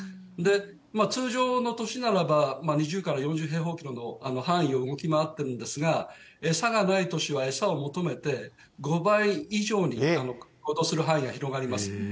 通常の年ならば、２０から４０平方キロの範囲を動き回ってるんですが、餌がない年は餌を求めて、５倍以上に行動する範囲が広がります。